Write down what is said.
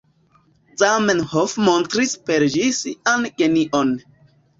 Zamenhof montris per ĝi sian genion.